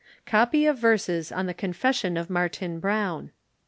COPY OF VERSES ON THE CONFESSION OF MARTIN BROWN.